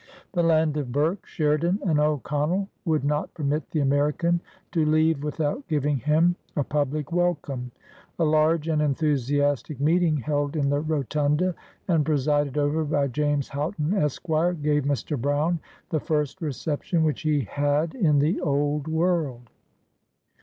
The land of Burke, Sheridan and O'Connell would not permit the American to leave without giving him a public welcome. A large and enthusiastic meeting held in the Rotunda, and presided over by James Haughton, Esq., gave Mr. Brown the first reception which he had in the Old World.